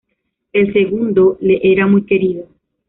El segundo le era muy querido.